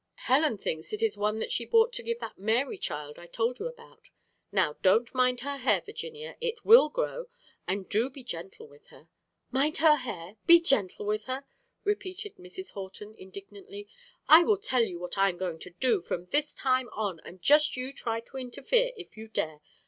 Helen thinks it is one she bought to give that Mary child I told you about. Now don't mind her hair, Virginia; it will grow, and do be gentle with her." "Mind her hair be gentle with her!" repeated Mrs. Horton indignantly. "I will tell you what I am going to do from this time on, and just you try to interfere if you dare!